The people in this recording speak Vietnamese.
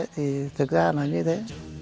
thì thực ra là như thế